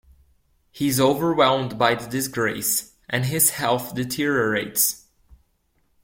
He is overwhelmed by the disgrace, and his health deteriorates.